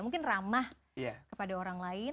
mungkin ramah kepada orang lain